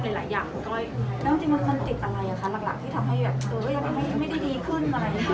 แล้วมันติดอะไรหรือคะหลักที่ทำให้ไม่ได้ดีขึ้น